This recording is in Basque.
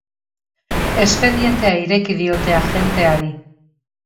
Espedientea ireki diote agenteari.